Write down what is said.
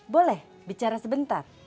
boleh bicara sebentar